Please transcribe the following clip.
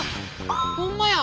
ほんまや！